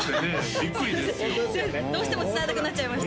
すいませんどうしても伝えたくなっちゃいました